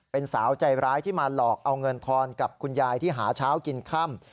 เป็นสาวใจร้ายที่มาหลอกเอาเงินทอนกับคุณยายที่หาเช้ากินค่ำ